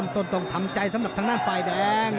ต้นต้องทำใจสำหรับทางด้านไฟแดง